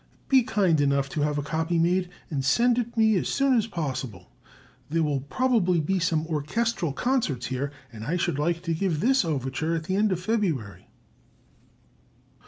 Be kind enough to have a copy made, and send it me as soon as possible. There will probably be some orchestral concerts here, and I should like to give this overture at the end of February."